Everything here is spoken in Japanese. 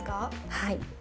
はい。